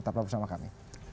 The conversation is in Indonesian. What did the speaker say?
tetap bersama kami